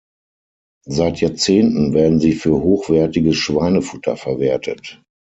Seit Jahrzehnten werden sie für hochwertiges Schweinefutter verwertet.